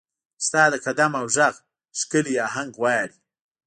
ستا د قدم او ږغ، ښکلې اهنګ غواړي